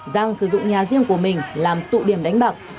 giang sử dụng nhà riêng của mình làm tụ điểm đánh bạc